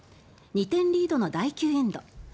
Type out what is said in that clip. ２点リードの第９エンド。